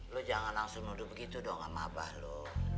lu jangan langsung nuduh begitu dong sama abah lu